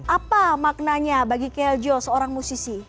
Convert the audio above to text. apa maknanya bagi keljo seorang musisi